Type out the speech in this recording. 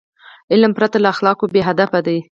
علم پرته له اخلاقو بېهدفه دی.